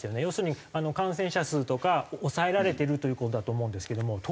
要するに感染者数とか抑えられてるという事だと思うんですけども。